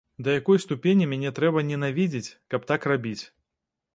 Да якой ступені мяне трэба ненавідзець, каб так рабіць?